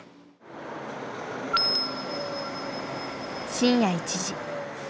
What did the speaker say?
深夜１時。